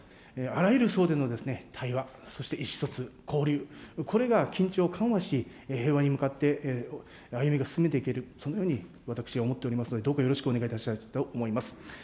あらゆる層での対話、そして意思疎通、交流、これが緊張を緩和し、平和に向かって歩みが進めていける、そのように私は思っております、どうかよろしくお願いしたいと思います。